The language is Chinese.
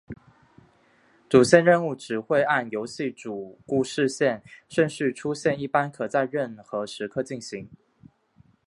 主线任务只会按游戏主故事线顺序出现一般可在任何时刻进行。